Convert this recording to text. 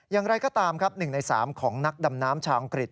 อย่างไรก็ตามครับ๑ใน๓ของนักดำน้ำชาวอังกฤษ